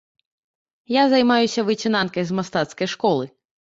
Я займаюся выцінанкай з мастацкай школы.